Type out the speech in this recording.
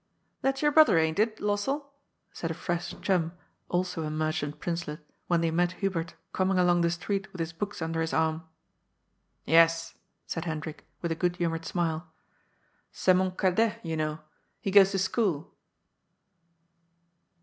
" That's your brother, ain't it, Lossell ?" said a fresh chum, also a merchant princelet, when they met Hubert coming along the street with his books under his arm. " Yes," said Hendrik, with a good humoured smile, " c'est mon cadet, you know. He goes to school."